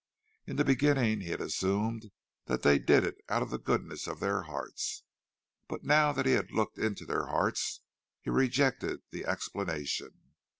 In the beginning he had assumed that they did it out of the goodness of their hearts; but now that he had looked into their hearts, he rejected the explanation.